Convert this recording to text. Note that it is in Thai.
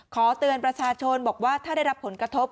ขอเตือนประชาชนบอกว่าถ้าได้รับผลกระทบ